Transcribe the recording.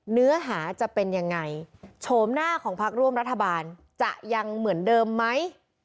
เนื้อหาจะเป็นยังไงโฉมหน้าของพักร่วมรัฐบาลจะยังเหมือนเดิมไหม